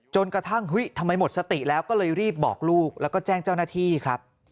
กระทั่งเฮ้ยทำไมหมดสติแล้วก็เลยรีบบอกลูกแล้วก็แจ้งเจ้าหน้าที่ครับ